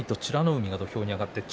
海が土俵に上がっています。